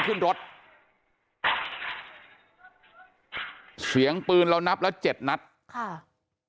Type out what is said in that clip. ขึ้นรถ่างเปลืนเรานับละ๗นัดครับ